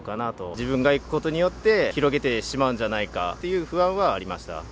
自分が行くことによって広げてしまうんじゃないかという不安はありました。